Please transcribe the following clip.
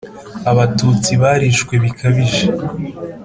abatutsi barishwe bikabije